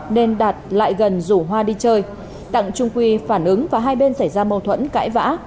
nên đạt lại gần rủ hoa đi chơi đặng trung quy phản ứng và hai bên xảy ra mâu thuẫn cãi vã